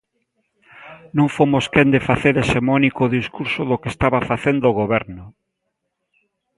Non fomos quen de facer hexemónico o discurso do que estaba facendo o goberno.